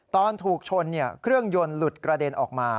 ตอนถูกชนเครื่องยนต์หลุดกระเด็นออกมา